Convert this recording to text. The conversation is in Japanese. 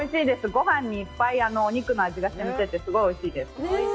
ごはんにお肉の味がしみてて、すごいおいしいです。